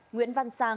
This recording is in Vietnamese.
nguyễn văn sa